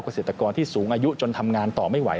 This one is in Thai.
เกษตรกรที่สูงอายุจนทำงานต่อไม่ไหว